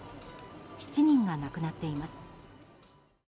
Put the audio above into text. ７人が亡くなっています。